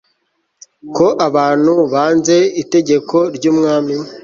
ko abantu banze itegeko ry'umwami